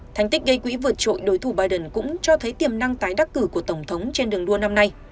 thành tích gây quỹ vượt trội đối thủ biden cũng cho thấy tiềm năng tái đắc cử của tổng thống trên đường đua năm nay